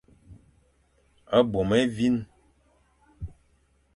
Bôm évîn.